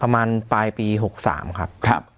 ประมาณปลายปี๖๓ครับ